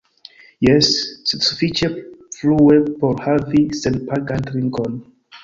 Jes... sed sufiĉe frue por havi senpagan trinkon